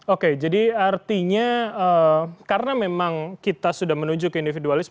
oke jadi artinya karena memang kita sudah menuju ke individualisme